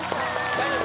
大丈夫？